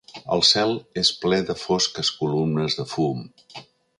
El cel és ple de fosques columnes de fum.